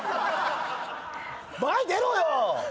前出ろよ！